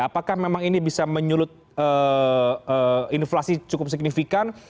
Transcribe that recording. apakah memang ini bisa menyulut inflasi cukup signifikan